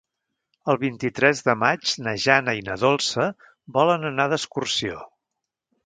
El vint-i-tres de maig na Jana i na Dolça volen anar d'excursió.